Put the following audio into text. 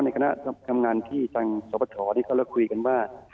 ในคณะทำงานที่จังสวทธที่เขาแล้วคุยกันว่า